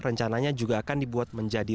rencananya juga akan dibuat menjadi